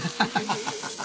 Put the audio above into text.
アハハハ。